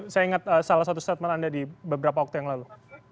saya ingat salah satu statement anda di beberapa waktu yang lalu